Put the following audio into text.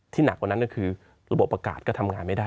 หนักกว่านั้นก็คือระบบประกาศก็ทำงานไม่ได้